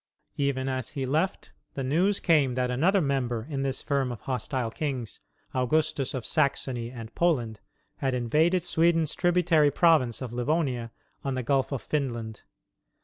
Even as he left, the news came that another member in this firm of hostile kings, Augustus of Saxony and Poland, had invaded Sweden's tributary province of Livonia on the Gulf of Finland.